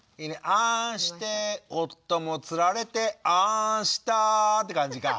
「『あん』して夫もつられて『あん』した」って感じか。